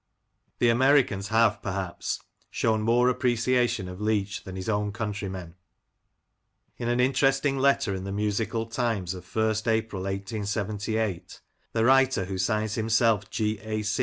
The Americans have, perhaps, shown more appreciation of Leach than his own countrymen. In an interesting letter in the Musical Times of ist April, 1878, ' the writer, who signs himself G. A.